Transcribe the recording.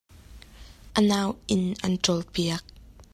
A nau-inn an ṭawl piak.